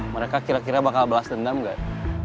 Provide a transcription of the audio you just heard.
mereka kira kira bakal balas dendam nggak